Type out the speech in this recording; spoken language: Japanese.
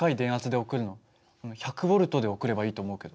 １００Ｖで送ればいいと思うけど。